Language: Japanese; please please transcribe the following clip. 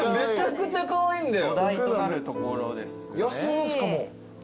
土台となるところですね。